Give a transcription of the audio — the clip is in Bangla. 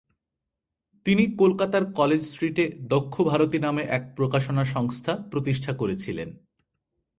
তিনি কলকাতার কলেজ স্ট্রিটে দক্ষভারতী নামে এক প্রকাশনা সংস্থা প্রতিষ্ঠা করেছিলেন।